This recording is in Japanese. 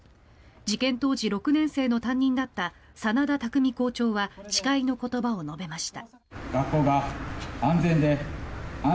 事件当時、６年生の担任だった眞田巧校長は誓いの言葉を述べました。